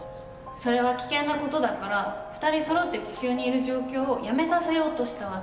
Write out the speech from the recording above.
それは危険な事だから２人そろって地球にいる状況をやめさせようとした訳。